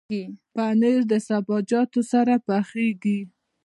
پنېر د سابهجاتو سره پخېږي.